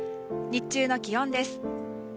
日中の気温です。